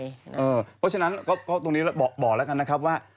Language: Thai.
เพราะฉะนั้นก็ตรงนี้บอกแล้วกันนะครับว่า